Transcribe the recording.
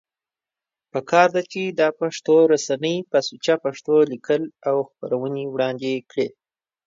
پکار ده چې دا پښتو رسنۍ په سوچه پښتو ليکل او خپرونې وړاندی کړي